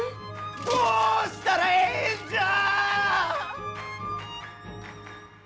どうしたらええんじゃあ！